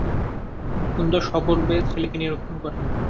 কুন্দ সগর্বে ছেলেকে নিরীক্ষণ করে।